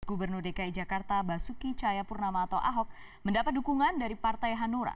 gubernur dki jakarta basuki cahayapurnama atau ahok mendapat dukungan dari partai hanura